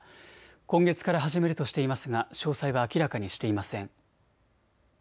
今月から始めるとしていますが詳細は明らかにしていません。